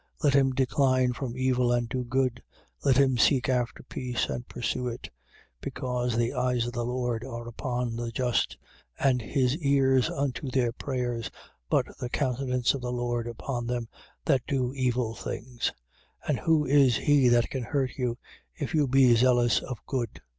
3:11. Let him decline from evil and do good: Let him seek after peace and pursue it: 3:12. Because the eyes of the Lord are upon the just, and his ears unto their prayers but the countenance of the Lord upon them that do evil things. 3:13. And who is he that can hurt you, if you be zealous of good?